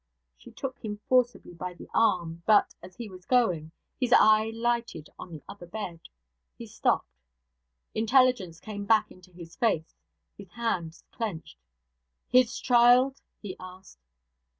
She took him forcibly by the arm; but, as he was going, his eye lighted on the other bed; he stopped. Intelligence came back into his face. His hands clenched. 'His child?' he asked.